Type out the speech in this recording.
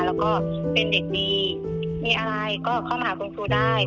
แล้วก็เป็นเด็กดีมีอะไรก็เข้ามาหาคุณครูได้